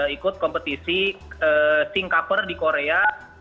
ikut kompetisi sing cover di korea